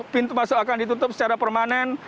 dua puluh pintu masuk akan ditutup secara permanen